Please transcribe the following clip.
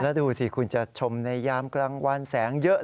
แล้วดูสิคุณจะชมในยามกลางวันแสงเยอะ